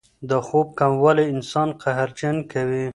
د خوب کموالی انسان قهرجن کوي.